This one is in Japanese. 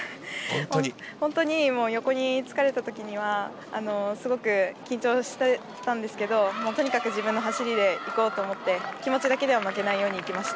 本当に横に疲れたときにはすごく緊張したんですけどとにかく自分の走りでいこうと思って気持ちだけでは負けないようにいきました。